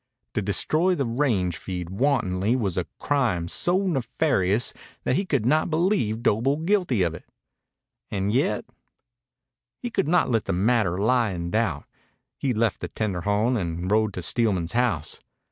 To destroy the range feed wantonly was a crime so nefarious that he could not believe Doble guilty of it. And yet He could not let the matter lie in doubt. He left the tendejon and rode to Steelman's house.